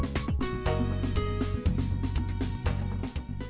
hẹn gặp lại